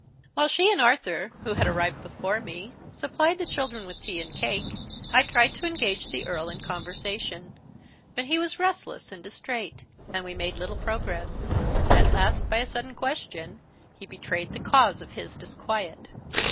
While she and Arthur (who had arrived before me) supplied the children with tea and cake, I tried to engage the Earl in conversation: but he was restless and distrait, and we made little progress. At last, by a sudden question, he betrayed the cause of his disquiet.